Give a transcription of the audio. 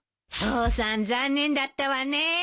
父さん残念だったわね。